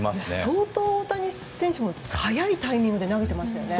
相当、大谷選手も早いタイミングで投げてましたよね。